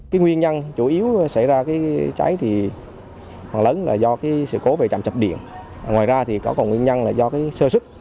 tháng một mươi ba năm hai nghìn một mươi sáu nhà cổ một trăm một mươi bảy nguyễn thái học cũng phát hoạ